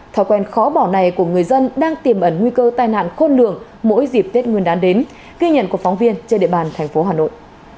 thói quen khó bỏ này của người dân đang tiềm ẩn nguy cơ tai nạn khôn lường mỗi dịp tết nguyên đán đến ghi nhận của phóng viên trên địa bàn thành phố hà nội